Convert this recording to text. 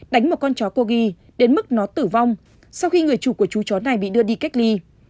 đánh một con chó côi đến mức nó tử vong sau khi người chủ của chú chó này bị đưa đi cách ly